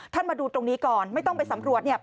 มาดูตรงนี้ก่อนไม่ต้องไปสำรวจเนี่ย